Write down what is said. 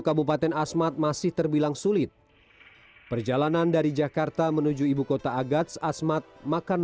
kabupaten asmat masih terbilang sulit perjalanan dari jakarta menuju ibu kota agats asmat makan